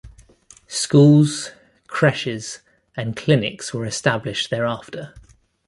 Schools, creches and clinics were established thereafter.